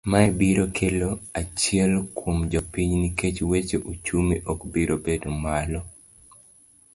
Mae biro kelo achiel, kuom jopiny nikech weche uchumi ok biro bedo malo.